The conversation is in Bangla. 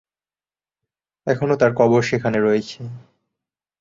এখনো তার কবর সেখানে রয়েছে।